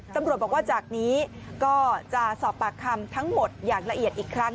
ตำรวจบอกว่าจากนี้ก็จะสอบปากคำทั้งหมดอย่างละเอียดอีกครั้ง